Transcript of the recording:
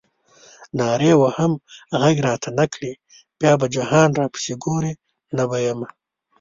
نارې وهم غږ راته نه کړې بیا به جهان راپسې ګورې نه به یمه.